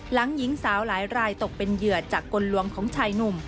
หญิงสาวหลายรายตกเป็นเหยื่อจากกลลวงของชายหนุ่ม